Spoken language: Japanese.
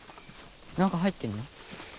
何か入ってんの？